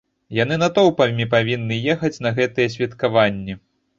Яны натоўпамі павінны ехаць на гэтыя святкаванні.